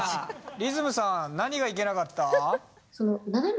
りずむさん、何がいけなかった？